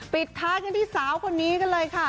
ปิดท้ายกันที่สาวคนนี้กันเลยค่ะ